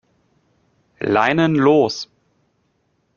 Leinen los!